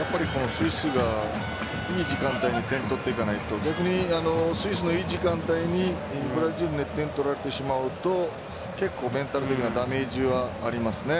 スイスはいい時間帯に点を取っていかないと逆にスイスのいい時間帯にブラジルに１点取られてしまうと結構、メンタル的にはダメージがありますね。